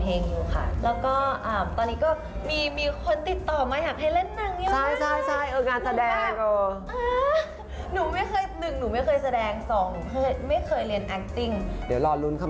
หนูก็งงกับว่าอ๋อสบายดีค่ะ